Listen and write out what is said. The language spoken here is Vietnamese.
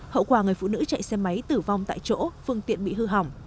hậu quả người phụ nữ chạy xe máy tử vong tại chỗ phương tiện bị hư hỏng